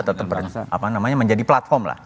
tetap menjadi platform lah